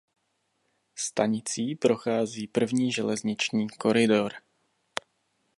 Stanicí prochází První železniční koridor.